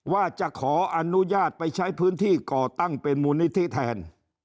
ว่าจะขออนุญาตไปใช้พื้นที่ก่อตั้งเป็นมูลนิธิแทน